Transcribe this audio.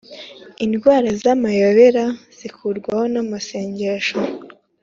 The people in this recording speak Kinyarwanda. Indwara zamayobera zikurwaho namasengesho